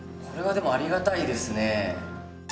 これはでもありがたいですね。